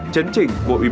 chấn chỉnh của ubnd